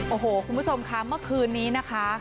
โอ้โหคุณผู้ชมค่ะเมื่อคืนนี้นะคะ